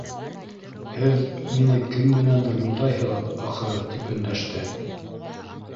Һеҙ мине кем менәндер бутайһығыҙ, ахыры, - тип өндәште.